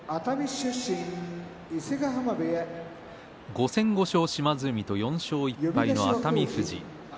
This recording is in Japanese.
５戦５勝の島津海と４勝１敗の熱海富士。